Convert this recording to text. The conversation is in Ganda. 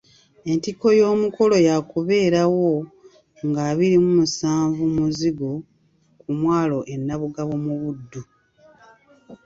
Entikko y'emikolo yaakubeerawo nga abiri mu musanvu Muzigo ku mwalo e Nabugabo mu Buddu.